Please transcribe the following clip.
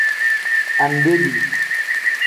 Andebi.